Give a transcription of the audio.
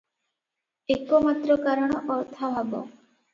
ଏକମାତ୍ର କାରଣ - ଅର୍ଥାଭାବ ।